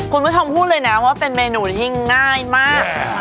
คุณผู้ชมพูดเลยนะว่าเป็นเมนูที่ง่ายมาก